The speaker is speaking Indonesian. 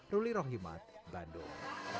ruli rohimad bandung